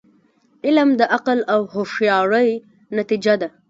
علم د عقل او هوښیاری نتیجه ده.